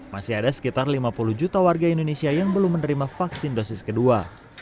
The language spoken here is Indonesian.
masih ada sekitar lima puluh juta warga indonesia yang belum menerima vaksin dosis kedua